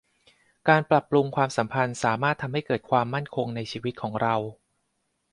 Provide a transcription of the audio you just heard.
การปรับปรุงความสัมพันธ์สามารถทำให้เกิดความมั่นคงในชีวิตของเรา